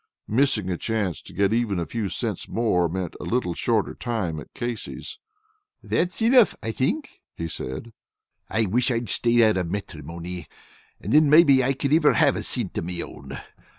Missing a chance to get even a few cents more meant a little shorter time at Casey's. "That's enough, I think," he said. "I wish I'd staid out of matrimony, and then maybe I could iver have a cint of me own.